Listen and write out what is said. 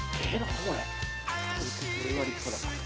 これは立派だ。